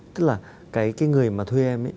tức là cái người mà thuê em ấy